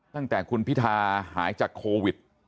ตั้งแต่คุณพิทาหายจากโควิด